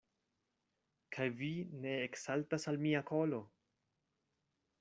Kaj vi ne eksaltas al mia kolo!